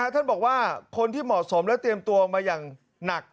ท่านบอกว่าคนที่เหมาะสมและเตรียมตัวมาอย่างหนัก